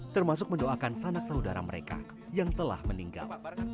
termasuk mendoakan sanak saudara mereka yang telah meninggal